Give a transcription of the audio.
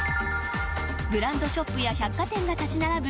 ブランドショップや百貨店が立ち並ぶ